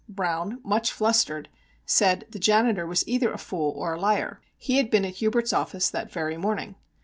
Browne, much flustered, said the janitor was either a fool or a liar. He had been at Hubert's office that very morning.